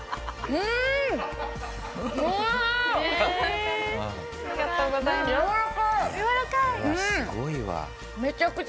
うわっすごいわ。